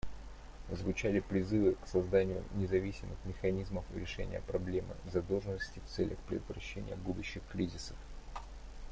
Звучали призывы к созданию независимых механизмов решения проблемы задолженности в целях предотвращения будущих кризисов.